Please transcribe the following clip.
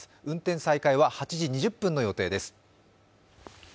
運転再開は８時２０分の予定です。